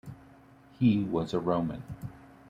He was a Roman.